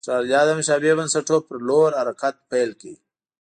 اسټرالیا د مشابه بنسټونو په لور حرکت پیل کړ.